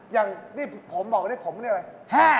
อย่างนี่ผมบอกแบบนั้นผมนี่อะไร